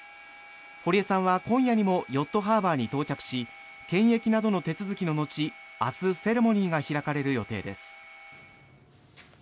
堀江さんは今夜にもヨットハーバーに到着し検疫などの手続きの後明日、セレモニーが開かれる予定です。